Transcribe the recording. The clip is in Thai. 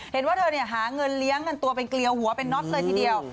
เห็นว่าเธอหาเงินเลี้ยงกันตัวเป็นเกลียวหัวเป็นน็อตเลยทีเดียว